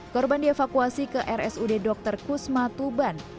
korban dievakuasi ke rsud dr kusma tuban